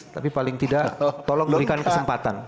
tapi paling tidak tolong berikan kesempatan